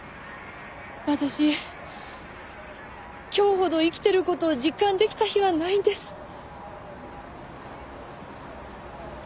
私今日ほど生きてる事を実感出来た日はないんです。